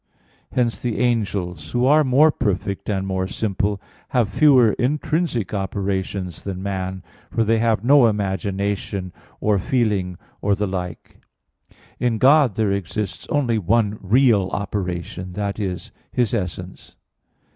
Hence the angels, who are more perfect and more simple, have fewer intrinsic operations than man, for they have no imagination, or feeling, or the like. In God there exists only one real operation that is, His essence.